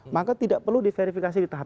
maka tidak perlu diverifikasi di tahap